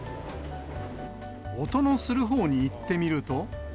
音のするほうに行ってみると。